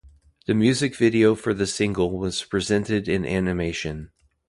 The music video for the single was presented in animation.